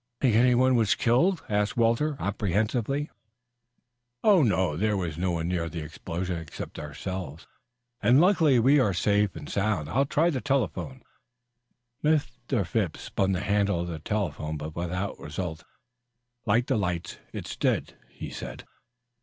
"Think anyone was killed?" asked Walter apprehensively. "Oh, no. There was no one near the explosion, except ourselves, and luckily we are safe and sound. I'll try the telephone." Mr. Phipps spun the handle of the telephone, but without result. "Like the lights, it's dead," he said.